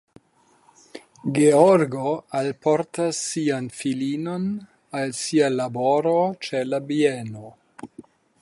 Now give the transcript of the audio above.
Georgo alportas sian filinon al sia laboro ĉe la bieno.